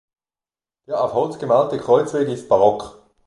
Der auf Holz gemalte Kreuzweg ist barock.